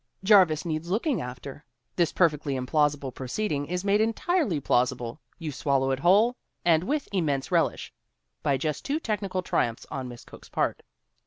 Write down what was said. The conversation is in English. Jarvis needs looking after. This perfectly implausible proceeding is made entirely plausible you swallow it whole and with immense relish by just two technical triumphs on Miss Cooke's part.